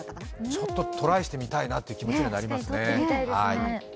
ちょっとトライしてみたいなという気持ちになりますね。